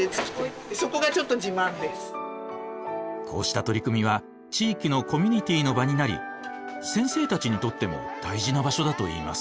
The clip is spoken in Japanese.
こうした取り組みは地域のコミュニティーの場になり先生たちにとっても大事な場所だといいます。